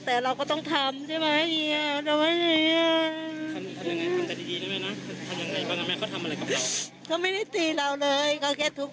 แต่เราก็ต้องทำใช่ไหม